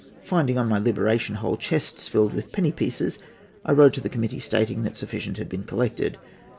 "Finding, on my liberation, whole chests filled with penny pieces, I wrote to the committee, stating that sufficient had been collected.